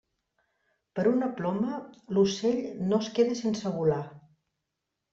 Per una ploma, l'ocell no es queda sense volar.